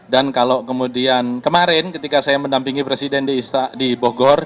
dan kalau kemudian kemarin ketika saya mendampingi presiden di bogor